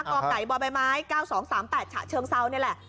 กไก่บใบไม้๙๒๓๘ฉะเชิงเซานี่แหละ